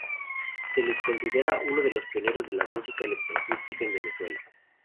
Se le considera uno de los Pioneros de la Música electroacústica en Venezuela.